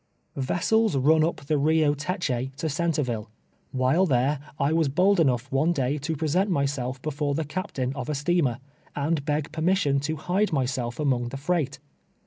Vessels run up the Rio Teche to Centreville. AVhile there, I was bold enough one day to present myself before the captain of a steamer, and l)eg per mission to hide myself among the freight.